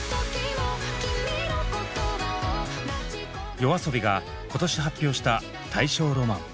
ＹＯＡＳＯＢＩが今年発表した「大正浪漫」。